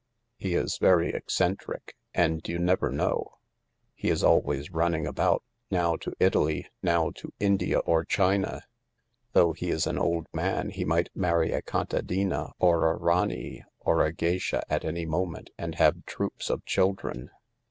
He is very eccentric, and you never know. He is always running about — now to Italy, now to 90 THE LARK India or China. Though he is an old man, he might marry a Contadina or a Ranee or a Geisha at any moment and have troops of children.